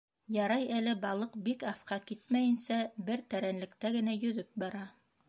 Ярай әле балыҡ бик аҫҡа китмәйенсә бер тәрәнлектә генә йөҙөп бара...